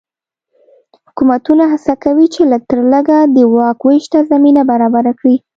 حکومتونه هڅه کوي چې لږ تر لږه د واک وېش ته زمینه برابره کړي.